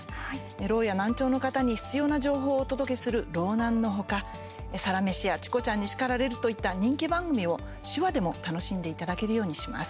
ろうや難聴の方に必要な情報をお届けする「＃ろうなん」の他「サラメシ」や「チコちゃんに叱られる！」といった人気番組を手話でも楽しんでいただけるようにします。